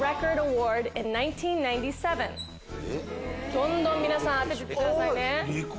どんどん当ててくださいね。